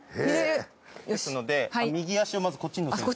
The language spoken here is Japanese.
ですので右足をまずこっちにのせる。